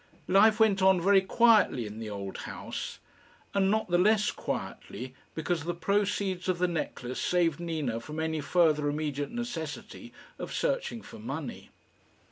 Life went on very quietly in the old house, and not the less quietly because the proceeds of the necklace saved Nina from any further immediate necessity of searching for money.